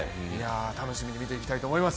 楽しみに見ていきたいと思います。